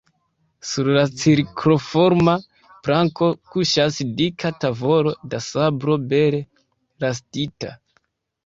Sur la cirkloforma planko kuŝas dika tavolo da sablo bele rastita.